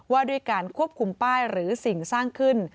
ว่าด้วยการควบคุมป้ายหรือสิ่งสร้างขึ้น